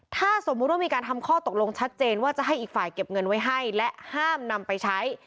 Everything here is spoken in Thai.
ถ้าสมมุติว่ามีการทำข้อตกลงชัดเจนว่าจะให้อีกฝ่ายเก็บเงินไว้ให้และห้ามนำไปใช้